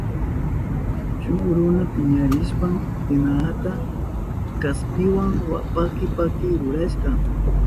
Shuk runa piñarishpan tinahata kaspiwa paki paki rurashka.